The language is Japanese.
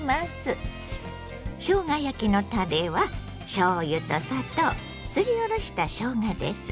しょうが焼きのたれはしょうゆと砂糖すりおろしたしょうがです。